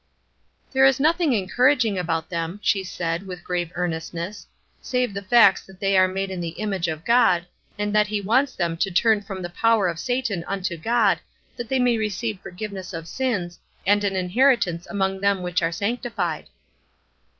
"There is nothing encouraging about them," she said, with grave earnestness, "save the facts that they are made in the image of God, and that he wants them to 'turn from the power of Satan unto God, that they may receive forgiveness of sins, and an inheritance among them which are sanctified.'"